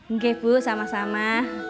nggak bu sama sama